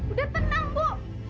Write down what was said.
udah tenang bu